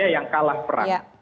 yang kalah perang